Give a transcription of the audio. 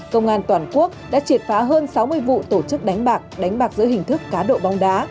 công an toàn quốc đã triệt phá hơn sáu mươi vụ tổ chức đánh bạc đánh bạc giữa hình thức cá độ bóng đá